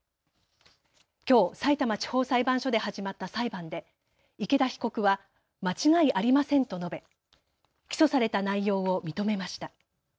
きょう、さいたま地方裁判所で始まった裁判で池田被告は間違いありませんと述べ起訴された内容を認めました。